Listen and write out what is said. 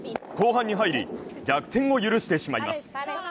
後半に入り、逆転を許してしまいます。